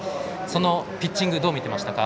そのピッチングをどう見ていましたか？